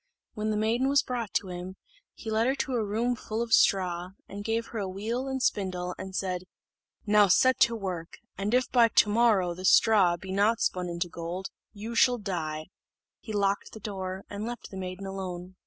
When the maiden was brought to him, he led her to a room full of straw, gave her a wheel and spindle, and said, "Now set to work, and if by the morrow this straw be not spun into gold, you shall die." He locked the door, and left the maiden alone.